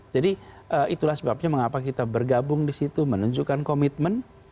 jadi itulah sebabnya mengapa kita bergabung di situ menunjukkan komitmen